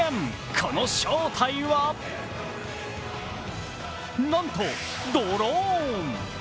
この正体はなんと、ドローン。